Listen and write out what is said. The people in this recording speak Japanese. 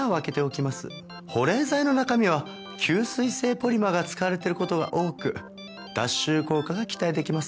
保冷剤の中身は吸水性ポリマーが使われている事が多く脱臭効果が期待出来ます。